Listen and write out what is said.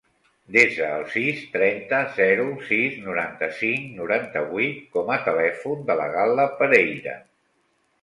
Desa el sis, trenta, zero, sis, noranta-cinc, noranta-vuit com a telèfon de la Gal·la Pereira.